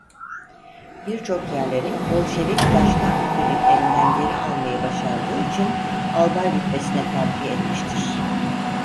Birçok yerleri Bolşevik-Daşnak birliklerinden geri almayı başardığı için Albay rütbesine terfi etmiştir.